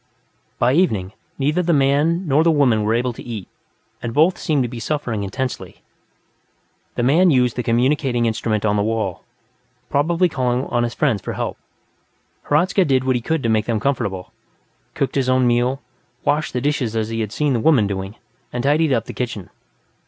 By evening, neither the man nor the woman were able to eat, and both seemed to be suffering intensely. The man used the communicating instrument on the wall, probably calling on his friends for help. Hradzka did what he could to make them comfortable, cooked his own meal, washed the dishes as he had seen the woman doing, and tidied up the kitchen.